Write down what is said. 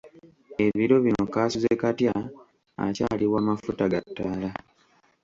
Ebiro bino kaasuzekatya akyali w'amafuta ga ttaala?